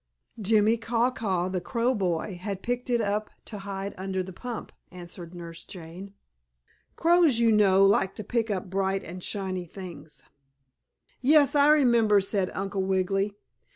"Jimmie Caw Caw, the crow boy, had picked it up to hide under the pump," answered Nurse Jane. "Crows, you know, like to pick up bright and shining things." "Yes, I remember," said Uncle Wiggily.